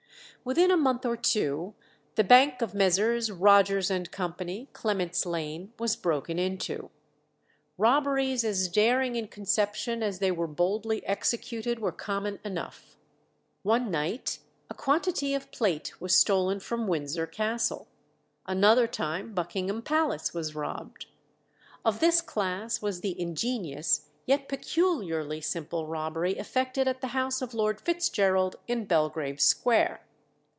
Within a month or two the bank of Messrs. Rogers and Co., Clement's Lane, was broken into. Robberies as daring in conception as they were boldly executed were common enough. One night a quantity of plate was stolen from Windsor Castle; another time Buckingham Palace was robbed. Of this class was the ingenious yet peculiarly simple robbery effected at the house of Lord Fitzgerald in Belgrave Square.